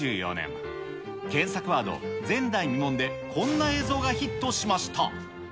検索ワード、前代未聞でこんな映像がヒットしました。